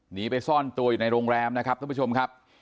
หนีไปซ่อนตัวอยู่ในโรงแรมนะครับท่านผู้ชมครับ